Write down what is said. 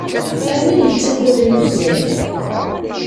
A win yettaggaden uzzal.